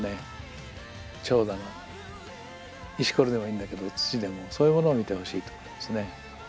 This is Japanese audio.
チョウだの石ころでもいいんだけど土でもそういうものを見てほしいと思いますね。